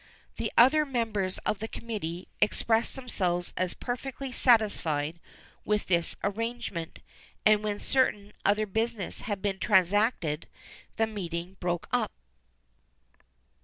The other members of the committee expressed themselves as perfectly satisfied with this arrangement, and when certain other business had been transacted the meeting broke up.